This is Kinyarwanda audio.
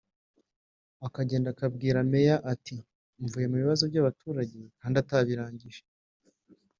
akagenda akabwira Meya ati mvuye mu bibazo by’abaturage kandi atabirangije